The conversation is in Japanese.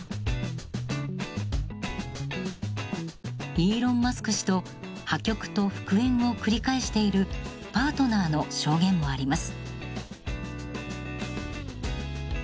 イーロン・マスク氏と破局と復縁を繰り返しているパートナーの証言もあります。